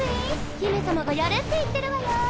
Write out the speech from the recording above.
姫様がやれって言ってるわよ。